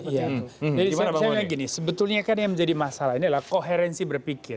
jadi saya pikir gini sebetulnya kan yang menjadi masalah ini adalah koherensi berpikir